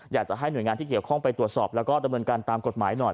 อยากจะให้หน่วยงานที่เกี่ยวข้องไปตรวจสอบแล้วก็ดำเนินการตามกฎหมายหน่อย